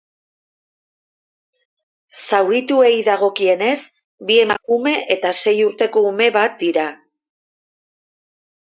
Zaurituei dagoekienez, bi emakume eta sei urteko ume bat dira.